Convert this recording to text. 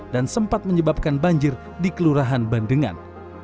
dan sempat menyebabkan banjir di kelurahan bandengan